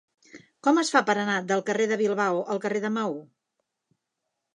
Com es fa per anar del carrer de Bilbao al carrer de Maó?